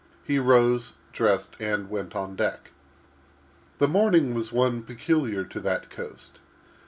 He rose, dressed, and went on deck. The morning was one peculiar to that coast.